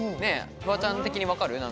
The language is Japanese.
フワちゃん的にわかる？